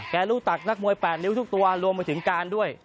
แกตรงรู้ตักนักมวยแปดลิ้วทุกตัวรวมมาถึงการด้วย